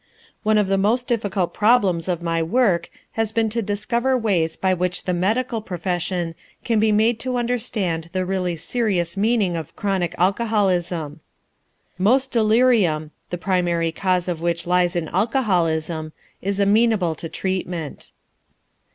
One of the most difficult problems of my work has been to discover ways by which the medical profession can be made to understand the really serious meaning of chronic alcoholism. Most delirium, the primary cause of which lies in alcoholism, is amenable to treatment.